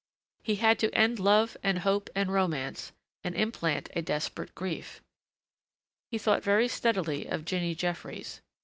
He had to end love and hope and romance and implant a desperate grief.... He thought very steadily of Jinny Jeffries.